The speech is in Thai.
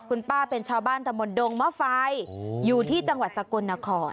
คุณป้าเป็นชาวบ้านตะมนตงมะไฟอยู่ที่จังหวัดสกลนคร